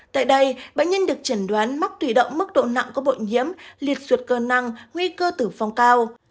tại đây bệnh nhân được chẩn đoán mắc thủy đậu mức độ nặng của bội nhiễm liệt suốt cơ năng nguy cơ tử phong cao